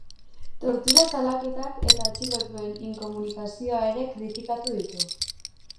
Tortura salaketak eta atxilotuen inkomunikazioa ere kritikatu ditu.